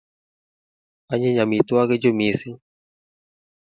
Anyiny amutwogik chu missing'.